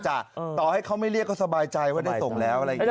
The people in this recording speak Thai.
ต่อให้เขาไม่เรียกก็สบายใจว่าได้ส่งแล้วอะไรอย่างนี้